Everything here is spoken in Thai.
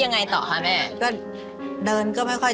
อืมอืมอืมอืม